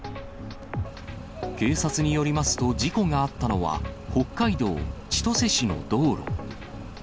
警察によりますと、事故があったのは、北海道千歳市の道路。